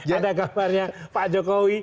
ada gambarnya pak jokowi